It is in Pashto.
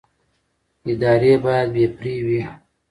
ادارې باید بې پرې وي